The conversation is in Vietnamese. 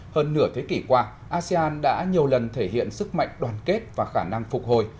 hơn nửa thế kỷ qua asean đã nhiều lần thể hiện sức mạnh đoàn kết và khả năng phục hồi